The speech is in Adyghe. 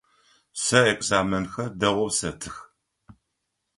Сэ экзаменхэр дэгъоу сэтых.